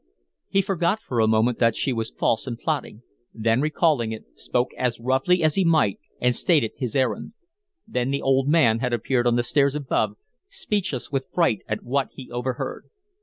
He forgot for a moment that she was false and plotting, then, recalling it, spoke as roughly as he might and stated his errand. Then the old man had appeared on the stairs above, speechless with fright at what he overheard.